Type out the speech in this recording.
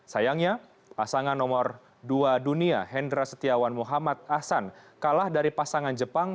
sayangnya pasangan nomor dua dunia hendra setiawan muhammad ahsan kalah dari pasangan jepang